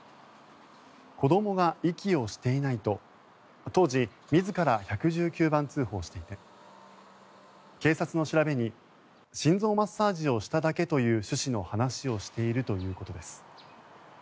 子どもが息をしていないと当時、自ら１１９番通報していて警察の調べに心臓マッサージをしただけという趣旨の話をしているということです。